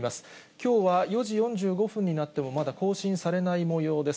きょうは４時４５分になっても、まだ更新されないもようです。